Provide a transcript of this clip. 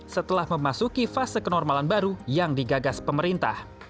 setelah memasuki fase kenormalan baru yang digagas pemerintah